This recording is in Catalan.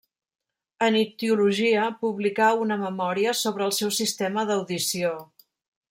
En ictiologia publicà una memòria sobre el seu sistema d'audició.